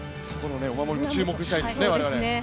お守りも注目したいですね。